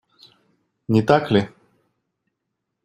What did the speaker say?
Не так ли?